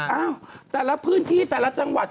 เอ้าแต่ละพื้นที่แต่ละจังหวัด